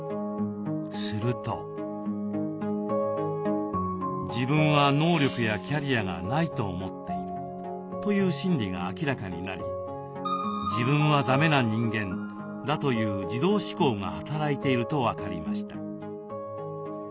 すると「自分は能力やキャリアがないと思っている」という心理が明らかになり「自分はダメな人間」だという自動思考が働いていると分かりました。